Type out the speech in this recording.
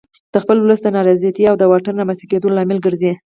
د خپل ولس د نارضایتي او د واټن رامنځته کېدو لامل ګرځي.